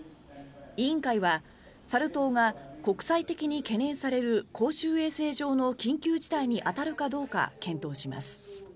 委員会はサル痘が国際的に懸念される公衆衛生上の緊急事態に当たるかどうか検討します。